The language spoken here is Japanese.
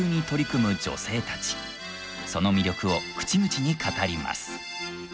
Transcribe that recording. その魅力を口々に語ります。